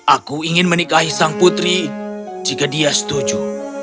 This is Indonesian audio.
aku ingin menikahi sang putri jika dia setuju